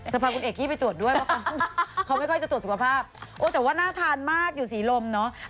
พาคุณเอกกี้ไปตรวจด้วยป่ะคะเขาไม่ค่อยจะตรวจสุขภาพโอ้แต่ว่าน่าทานมากอยู่ศรีลมเนาะ